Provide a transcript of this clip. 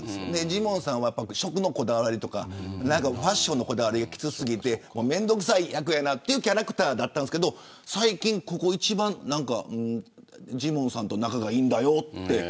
ジモンさんは食のこだわりとかファッションのこだわりが、きつ過ぎて面倒くさい役というキャラクターだったんですけれど最近ここ一番ジモンさんと仲がいいんだよって。